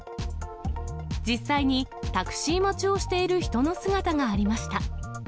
実際にタクシー待ちをしている人の姿がありました。